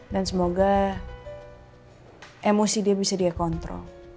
dan semoga emosi dia bisa dia kontrol